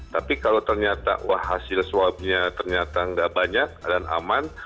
tapi kalau ternyata wah hasil swabnya ternyata nggak banyak dan aman